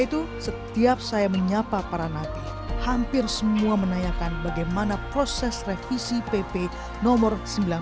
itu setiap saya menyapa para nabi hampir semua menanyakan bagaimana proses revisi pp nomor